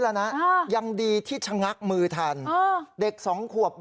แล้วน่ะอ่ายังดีที่ฉะงักมือทันอ่าเด็กสองควบรอบ